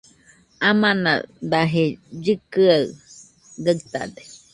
Amana daje llɨkɨaɨ gaɨtade